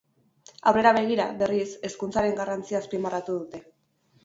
Aurrera begira, berriz, hezkuntzaren garrantzia azpimarratu dute.